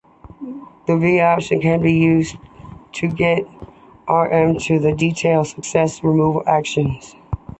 The -v option can be used to get rm to detail successful removal actions.